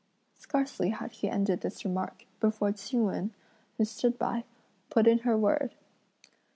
Scarcely had he ended this remark, before Ch'ing Wen, who stood by, put in her word.